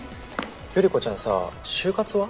頼子ちゃんさ就活は？